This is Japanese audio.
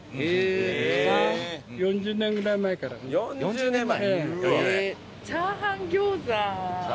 ４０年前！